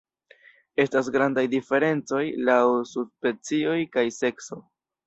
Estas grandaj diferencoj laŭ subspecioj kaj sekso.